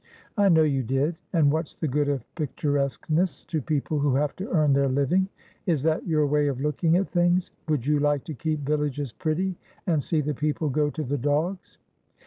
"I know you did. And what's the good of picturesqueness to people who have to earn their living? Is that your way of looking at things? Would you like to keep villages pretty, and see the people go to the dogs?"